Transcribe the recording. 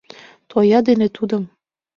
Тоя дене тудым!